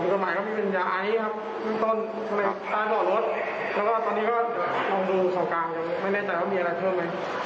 คือเป็นพื้นที่กว้างเราก็สามารถหาเจอได้ครับ